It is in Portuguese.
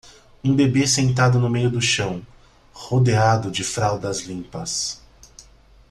um bebê sentado no meio do chão, rodeado de fraldas limpas